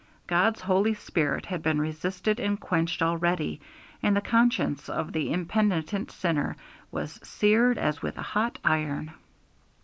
God's Holy Spirit had been resisted and quenched already, and the conscience of the impenitent sinner was 'seared as with a hot iron!'